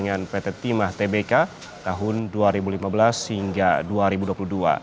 kegiatan akomodir pertambangan liar di wilayah yup pt timbah tbk